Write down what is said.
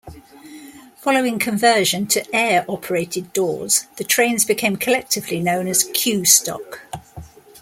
Following conversion to air operated doors, the trains became collectively known as Q Stock.